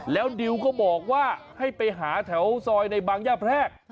แล้วดิวก็บอกว่าให้ไปหาแถวซอยในบางย่าแพรก